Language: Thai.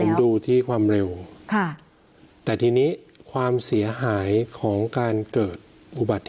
ผมดูที่ความเร็วค่ะแต่ทีนี้ความเสียหายของการเกิดอุบัติเหตุ